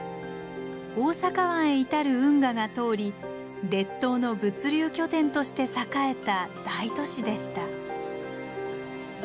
大阪湾へ至る運河が通り列島の物流拠点として栄えた大都市でした。